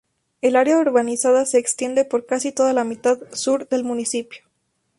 El área urbanizada se extiende por casi toda la mitad sur del municipio.